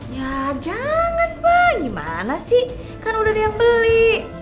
ya jangan wah gimana sih kan udah ada yang beli